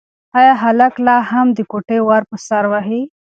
ایا هلک لا هم د کوټې ور په سر وهي؟